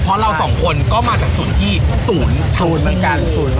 เพราะเราสองคนก็มาจากจุดที่ศูนย์ศูนย์เหมือนกันศูนย์